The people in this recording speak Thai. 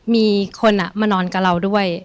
มีคนมานอนกับเราด้วย